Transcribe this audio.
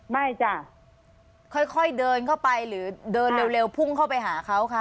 จ้ะค่อยเดินเข้าไปหรือเดินเร็วพุ่งเข้าไปหาเขาคะ